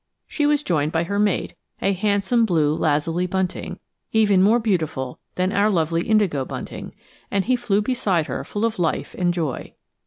She was joined by her mate, a handsome blue lazuli bunting, even more beautiful than our lovely indigo bunting, and he flew beside her full of life and joy.